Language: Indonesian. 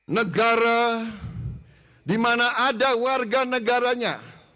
negara dimana ada warga negaranya